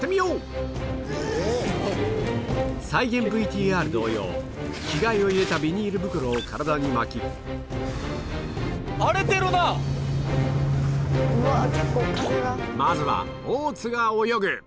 再現ＶＴＲ同様着替えを入れたビニール袋を体に巻き荒れてるなぁ！